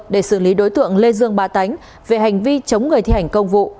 để xử lý đối tượng lê dương ba tánh về hành vi chống người thi hành công vụ